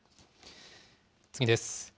次です。